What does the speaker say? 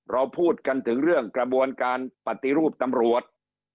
เราพูดกันถึงเรื่องกระบวนการปฏิรูปตำรวจ